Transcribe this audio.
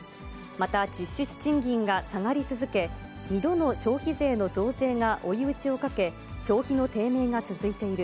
また、実質賃金が下がり続け、２度の消費税の増税が追い打ちをかけ、消費の低迷が続いている。